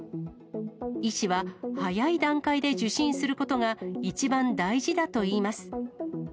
医師は、早い段階で受診することが一番大事だといいます。